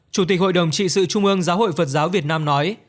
chủ tịch hội đồng trị sự trung ương giáo hội phật giáo việt nam nói